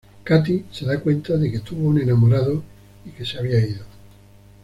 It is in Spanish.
Katy se da cuenta de que tuvo un enamorado y que se había ido.